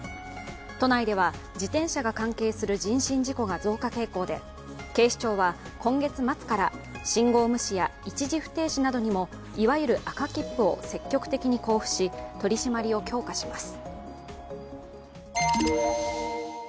都内では自転車が関係する人身事故が増加傾向で、警視庁は今月末から信号無視や一時不停止などにもいわゆる赤切符を積極的に交付し、取り締まりを強化します。